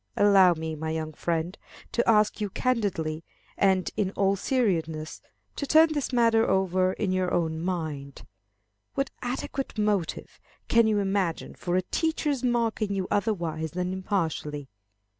Allow me, my young friend, to ask you candidly and in all seriousness to turn this matter over in your own mind. What adequate motive can you imagine for a teacher's marking you otherwise than impartially?